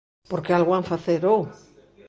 Porque algo han facer, ¿ou?